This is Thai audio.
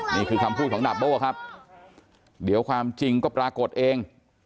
นี่คือคำพูดของดาบโบ้ครับเดี๋ยวความจริงก็ปรากฏเอง